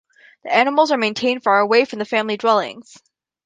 The animals are maintained far away of the family dwellings.